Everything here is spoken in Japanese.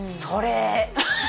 それ！